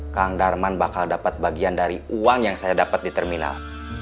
kang darman bakal dapat bagian dari uang yang saya dapat di terminal